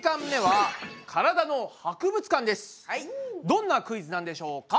どんなクイズなんでしょうか？